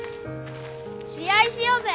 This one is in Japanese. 試合しようぜ。